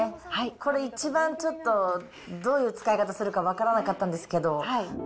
これ、一番ちょっと、どういう使い方するか分からなかったんです